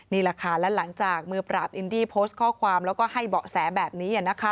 นี่แหละค่ะและหลังจากมือปราบอินดี้โพสต์ข้อความแล้วก็ให้เบาะแสแบบนี้